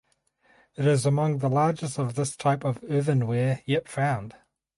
It is among the largest of this type of earthenware yet found.